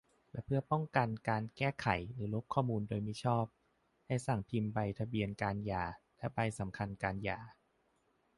และเพื่อป้องกันการแก้ไขหรือลบข้อมูลโดยมิชอบ ให้สั่งพิมพ์ใบทะเบียนการหย่าและใบสำคัญการหย่า